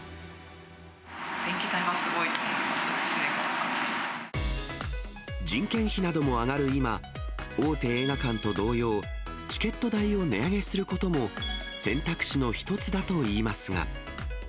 電気代はすごいと思います、人件費なども上がる今、大手映画館と同様、チケット代を値上げすることも、選択肢の一つだといいますが。